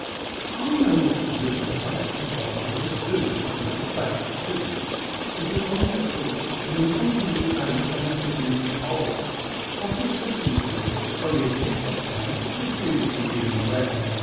"I know what to do all right," replied Smithers, who, as a matter of fact, didn't. He took one step forward, and incontinently vanished down a fifteen foot hole, of the existence of which, though he had fished that pond, he had previously been unaware.